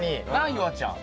夕空ちゃん。